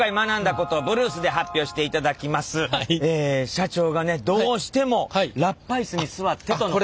社長がねどうしてもラッパイスに座ってとのことで。